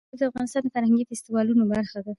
مزارشریف د افغانستان د فرهنګي فستیوالونو برخه ده.